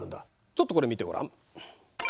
ちょっとこれ見てごらん。